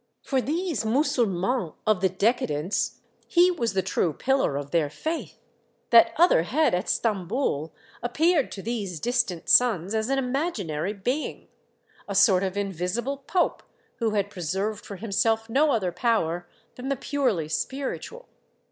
For these Mussulmans of the decadence he was the true pillar of their faith ; that other head at Stamboul appeared to these dis tant sons as an imaginary being, a sort of invisi ble pope who had preserved for himself no other power than the purely spiritual.